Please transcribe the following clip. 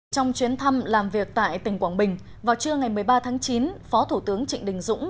trong chuyến thăm làm việc tại tỉnh quảng bình vào trưa ngày một mươi ba tháng chín phó thủ tướng trịnh đình dũng